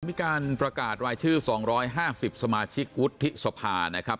มีการประกาศรายชื่อ๒๕๐สมาชิกวุฒิสภานะครับ